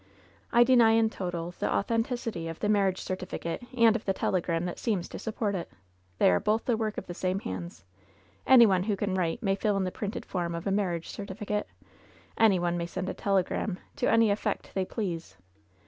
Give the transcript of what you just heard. I deny in toto the authenticity of the marriage certificate and of the telegram that seems to support it. They are both the work of the same hands. Any one who can write may fill in the printed form of a marriage certificate. Any one may send a telegram to any effect they please.